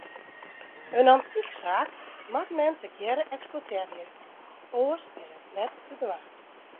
In antyksaak moat men tegearre eksploitearje, oars is it net te dwaan.